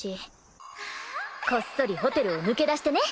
こっそりホテルを抜け出してね！